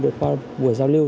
được qua buổi giao lưu